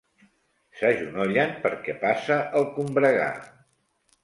S'agenollen perquè passa el combregar.